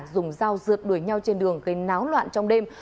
dùng dao rượt đuổi nhau trên đường gây náo loạn trong đêm